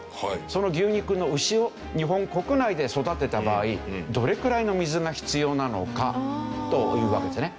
その牛肉の牛を日本国内で育てた場合どれくらいの水が必要なのかというわけですね。